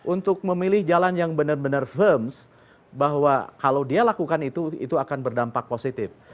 untuk memilih jalan yang benar benar firms bahwa kalau dia lakukan itu itu akan berdampak positif